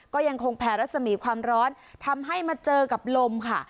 ก็ยังคงแผ่รัศมีความร้อนทำให้มาเจอกับลมค่ะ